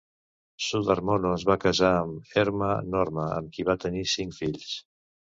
Sudharmono es va casar amb Erma Norma, amb qui va tenir cinc fills.